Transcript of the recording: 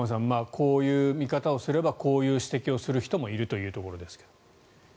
こういう見方をすればこういう指摘をする人もいるということですが。